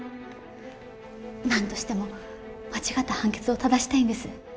なんとしても間違った判決を正したいんです。